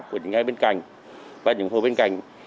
của những người bên cạnh và những người bên cạnh